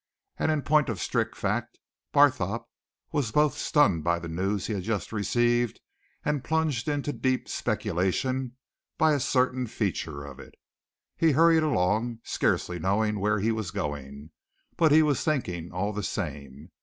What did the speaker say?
And in point of strict fact, Barthorpe was both stunned by the news he had just received and plunged into deep speculation by a certain feature of it. He hurried along, scarcely knowing where he was going but he was thinking all the same.